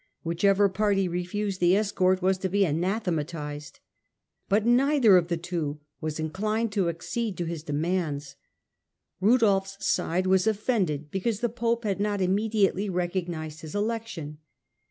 Whichever party reftised the escort was to be anathe matised. But neither of the two was inclined to accede to his demands. Rudolfs side was offended because the pope had not immediately recognised his election.